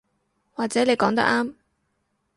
或者你講得啱